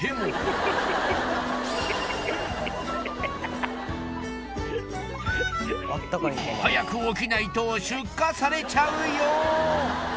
ハハハ早く起きないと出荷されちゃうよ